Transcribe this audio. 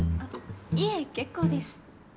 いえ結構です。